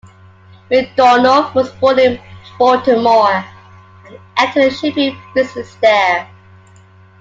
McDonogh was born in Baltimore and entered the shipping business there.